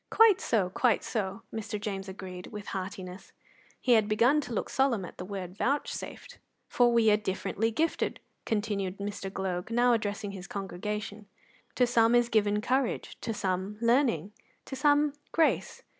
"Quite so, quite so," Mr. James agreed, with heartiness. He had begun to look solemn at the word "vouchsafed." "For we are differently gifted," continued Mr. Gloag, now addressing his congregation. "To some is given courage, to some learning, to some grace.